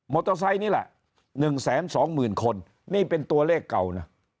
โตไซค์นี่แหละ๑๒๐๐๐คนนี่เป็นตัวเลขเก่านะ